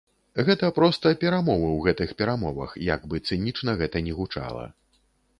Гэта проста перамовы ў гэтых перамовах, як бы цынічна гэта ні гучала.